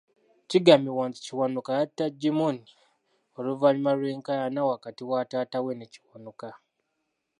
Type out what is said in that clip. Kigambibwa nti Kiwanuka yatta Gimmony oluvannyuma lw'enkayana wakati wa taata we ne Kiwanuka.